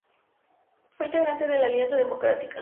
Fue integrante de la Alianza Democrática.